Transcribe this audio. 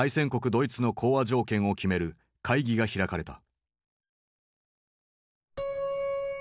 ドイツの講和条件を決める会議が開かれた。